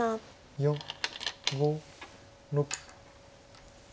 ４５６。